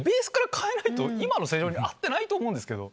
今の世情に合ってないと思うんですけど。